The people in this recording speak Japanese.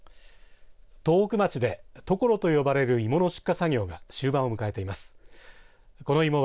東北町で野老と呼ばれる芋の出荷作業が終盤を迎えています。